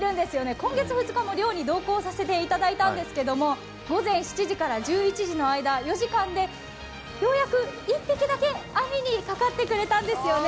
今月２日にも漁に同行させていただいたんですが、４時間でようやく１匹だけ網にかかってくれたんですよね。